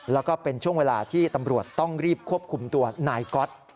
แล้วก็เป็นช่วงเวลาที่ตำรวจต้องรีบควบคุมตัวนายก๊อต